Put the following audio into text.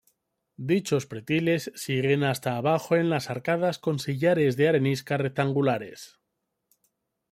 Dichos pretiles siguen hasta abajo en las arcadas con sillares de arenisca rectangulares.